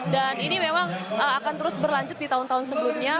dan ini memang akan terus berlanjut di tahun tahun sebelumnya